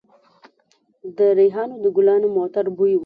د ریحانو د ګلانو معطر بوی و